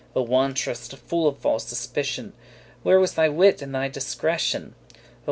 O wantrust,* full of false suspicion! *distrust <3> Where was thy wit and thy discretion? O!